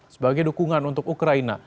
sebagai dukungan untuk ukraina